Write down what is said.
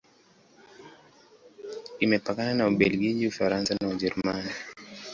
Imepakana na Ubelgiji, Ufaransa na Ujerumani.